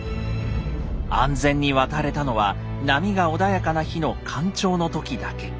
安全に渡れたのは波が穏やかな日の干潮の時だけ。